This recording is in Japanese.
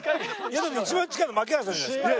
一番近いの槙原さんじゃないですか。